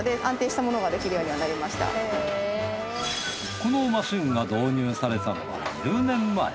このマシンが導入されたのは１０年前。